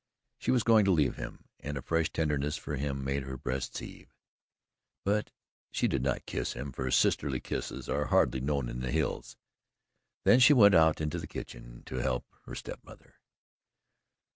She was going to leave him, and a fresh tenderness for him made her breast heave, but she did not kiss him, for sisterly kisses are hardly known in the hills. Then she went out into the kitchen to help her step mother.